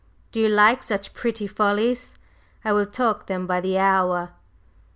Do you like such pretty follies? I will talk them by the hour."